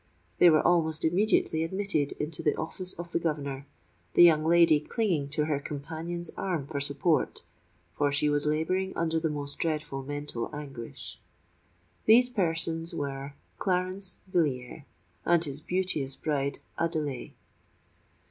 They were almost immediately admitted into the office of the governor, the young lady clinging to her companion's arm for support, for she was labouring under the most dreadful mental anguish. These persons were Clarence Villiers and his beauteous bride, Adelais.